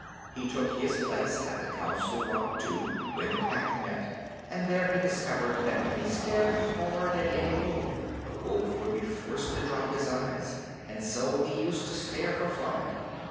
He took his place at the Council Rock, too, when the Pack met, and there he discovered that if he stared hard at any wolf, the wolf would be forced to drop his eyes, and so he used to stare for fun.